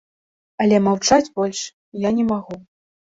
Але маўчаць больш я не магу.